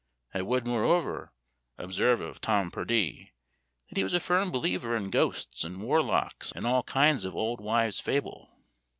I would, moreover, observe of Tom Purdie, that he was a firm believer in ghosts, and warlocks, and all kinds of old wives' fable.